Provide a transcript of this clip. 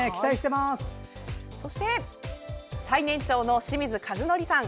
そして最年長の清水一憲さん。